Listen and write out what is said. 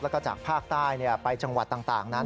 แล้วก็จากภาคใต้ไปจังหวัดต่างนั้น